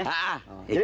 jadi langsung aja nih